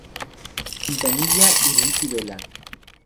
Quintanilla y Ricky Vela.